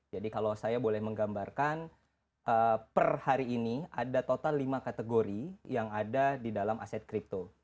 jadi kalau saya boleh menggambarkan per hari ini ada total lima kategori yang ada di dalam aset crypto